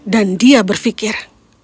dan dia berfikir